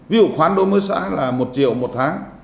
ví dụ khoán đối với xã là một triệu một tháng